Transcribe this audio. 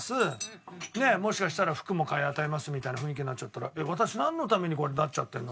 もしかしたら服も買い与えますみたいな雰囲気になっちゃったら私なんのためにこうなっちゃってるの？